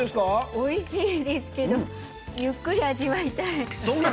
おいしいですけどゆっくり味わいたい。